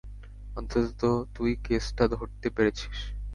অন্তত তুই কেসটা ধরতে পেরেছিস।